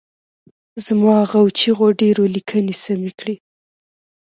زما غو چیغو ډېرو لیکني سمې کړي.